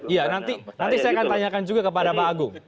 iya nanti saya akan tanyakan juga kepada pak agung